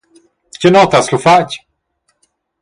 Tgei nota has lu fatg?